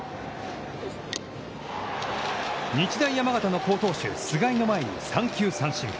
日大山形の好投手菅井の前に三球三振。